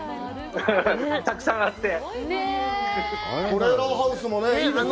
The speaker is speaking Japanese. たくさんあって。